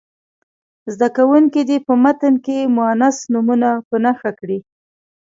زده کوونکي دې په متن کې مونث نومونه په نښه کړي.